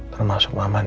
termasuk mama din